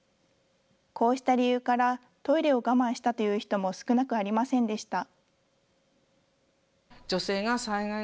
こうした理由からトイレを我慢したという人も少なくありませんでした。